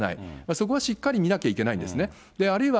そこはしっかり見なきゃいけないんですね。